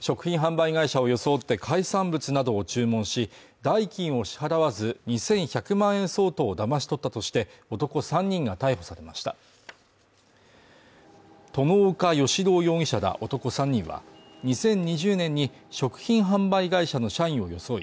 食品販売会社を装って海産物などを注文し代金を支払わず２１００万円相当をだまし取ったとして男３人が逮捕されました外岡良朗容疑者ら男３人は２０２０年に食品販売会社の社員を装い